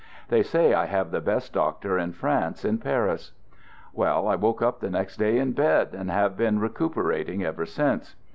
They say I have the best doctor in France, in Paris. Well, I woke up the next day in bed, and have been recuperating ever since.